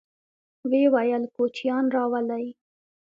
ويې ويل: کوچيان راولئ!